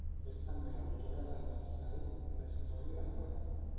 És també l'autora de "Leaside", una història del barri.